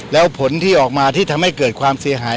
แล้วผลที่ออกมาที่ทำให้เกิดความเสียหาย